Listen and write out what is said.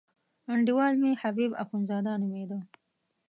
انډیوال مې حبیب اخندزاده نومېده.